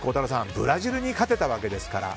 ブラジルに勝てたわけですから。